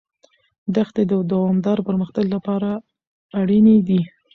دښتې د دوامداره پرمختګ لپاره اړینې دي.